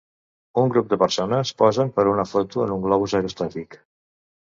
Un grup de persones posen per a una foto en un globus aerostàtic.